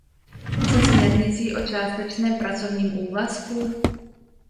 Se směrnicí o částečném pracovním úvazku?